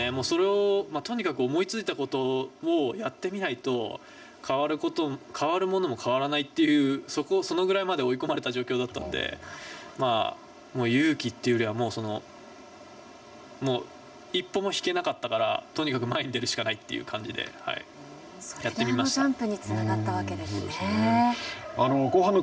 それをとにかく思いついたことをやってみないと変わるものも変わらないというそのぐらいまで追い込まれた状況だったので勇気っていうよりはもう一歩も引けなかったからとにかく前に出るしかないっていう感じでやってみました。